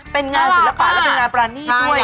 เป็นงานศิลปะและเป็นงานปรานีตด้วย